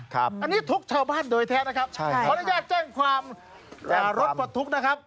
อันนี้ทุกข์ชาวบ้านโดยแท้นะครับขออนุญาตแจ้งความรถปลดทุกข์นะครับ